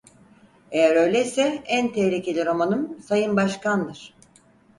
Eğer öyleyse en tehlikeli romanım Sayın Başkan'dır.